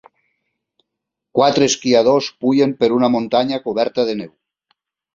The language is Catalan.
quatre esquiadors pugen per una muntanya coberta de neu